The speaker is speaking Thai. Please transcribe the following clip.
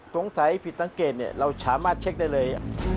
สงสัยผิดสังเกตเนี่ยเราสามารถเช็คได้เลย